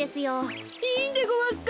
いいんでごわすか？